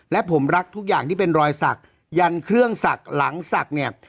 และผมรักทุกอย่างที่เป็นรอยสักยันเครื่องศักดิ์หลังศักดิ์เนี่ย